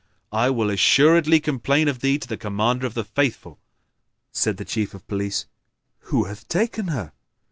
I will assuredly complain of thee to the Commander of the Faithful." Said the Chief of Police, "Who hath taken her?"